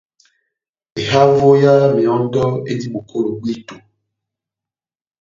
Ehavo ya mehɔ́ndɔ endi bokolo bwíto.